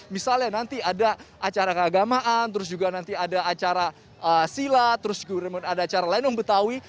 misalnya nanti ada acara keagamaan terus juga nanti ada acara silat terus ada acara lenung betawi